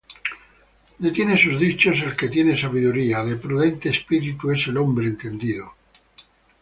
Detiene sus dichos el que tiene sabiduría: De prudente espíritu es el hombre entendido.